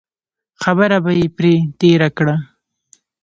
خبره به یې پرې تېره کړه.